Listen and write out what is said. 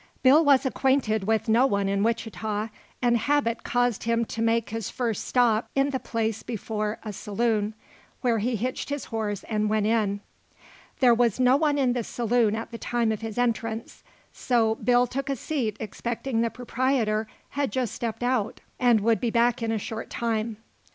Bill was acquainted with no one in Wichita, and habit caused him to make his first stop in the place before a saloon, where he hitched his horse and went in. There was no one in the saloon at the time of his entrance; so Bill took a seat expecting the proprietor had just stepped out and would be back in a short time.